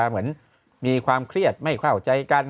เหมือนมีความเครียดไม่เข้าใจกัน